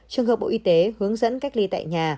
trường hợp bộ y tế hướng dẫn cách ly tại nhà